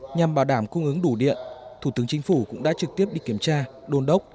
nhằm bảo đảm cung ứng đủ điện thủ tướng chính phủ cũng đã trực tiếp đi kiểm tra đôn đốc